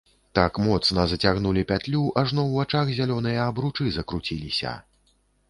Так моцна зацягнулі пятлю, ажно ў вачах зялёныя абручы закруціліся.